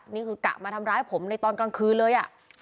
นี่คือกะมาทำร้ายผมในตอนกลางคืนเลย